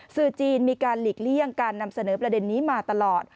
สื่อจีนมีการหลีกเลี่ยงการนำเสนอประเด็นนี้มาตลอด